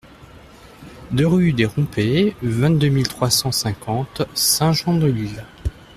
deux rue des Rompées, vingt-deux mille trois cent cinquante Saint-Jouan-de-l'Isle